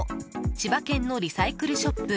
千葉県のリサイクルショップ